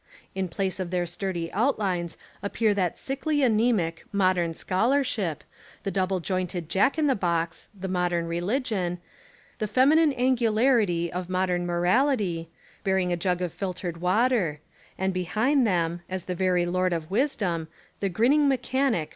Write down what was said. In place of their sturdy out lines appear that sickly anaemic Modern Schol arship, the double jointed jack in the box, Mod ern Religion, the feminine angularity of Mod ern Morality, bearing a jug of filtered water, and behind them, as the very lord of wisdom, the grinning mechanic.